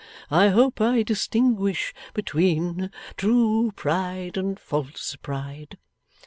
I hope I distinguish between true pride and false pride.